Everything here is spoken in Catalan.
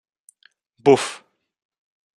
Buf!